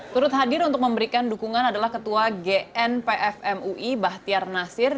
turut hadir untuk memberikan dukungan adalah ketua gnpf mui bahtiar nasir